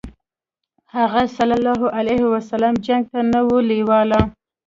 هغه ﷺ جنګ ته نه و لېواله.